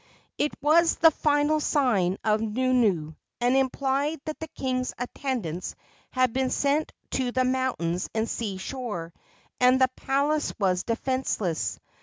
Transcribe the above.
It was the final signal of Nunu, and implied that the king's attendants had been sent to the mountains and sea shore, and the palace was defenceless.